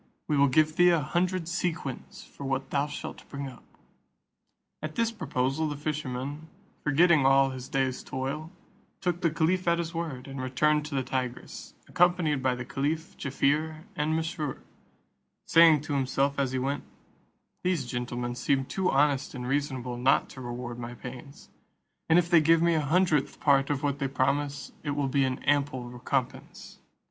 We will give thee a hundred sequins for what thou shalt bring up." At this proposal, the fisherman, forgetting all his day's toil, took the caliph at his word, and returned to the Tigris, accompanied by the caliph, Jaaffier, and Mesrour; saying to himself as he went, "These gentlemen seem too honest and reasonable not to reward my pains; and if they give me the hundredth part of what they promise, it will be an ample recompence."